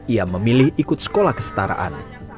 ia memilih ikut sekolah kesetaraan